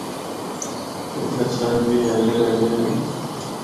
اِتھا چَھنچ بھی ایندے رہندے ہن۔